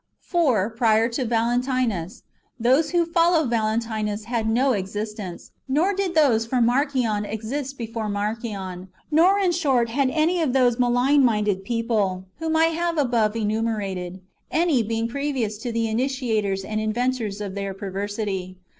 For, prior to Valentinus, those who follow Valentinus had no existence ; nor did those from Marcion exist before Marcion ; nor, in short, had any of those malignant minded people, whom I have above enumerated, any being previous to the initiators and inventors of their perversity.